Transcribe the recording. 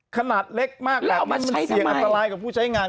ขนาดเล็กมากแล้วมันเสี่ยงอันตรายกับผู้ใช้งาน